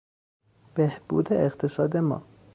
بهبود اقتصاد ما